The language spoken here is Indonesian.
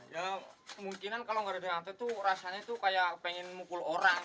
ya kemungkinan kalau nggak ada di lantai tuh rasanya tuh kayak pengen mukul orang